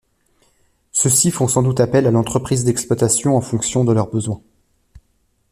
Ceux-ci font sans doute appel à l'entreprise d'exploitation en fonction de leurs besoins.